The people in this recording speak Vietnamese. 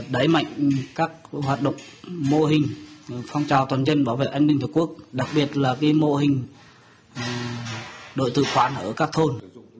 đấy mạnh các hoạt động mô hình phong trào toàn dân bảo vệ an ninh tổ quốc đặc biệt là mô hình đội tư khoản ở các thôn